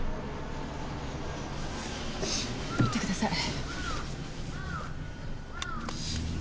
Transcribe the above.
行ってください。